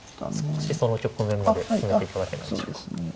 少しその局面まで進めていただけないでしょうか。